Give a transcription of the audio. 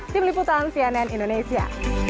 tim liputan cnn indonesia